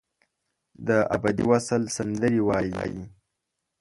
دابدي وصل سندرې وایې